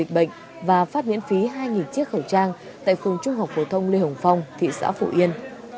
bệnh và phát miễn phí hai chiếc khẩu trang tại phường trung học phổ thông lê hồng phong thị xã phổ yên